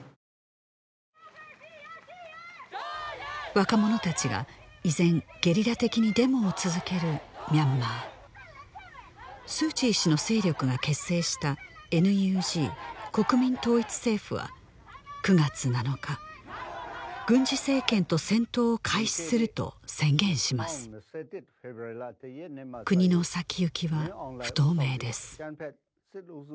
若者達が依然ゲリラ的にデモを続けるミャンマースー・チー氏の勢力が結成したＮＵＧ国民統一政府は９月７日軍事政権と戦闘を開始すると宣言します国の先行きは不透明です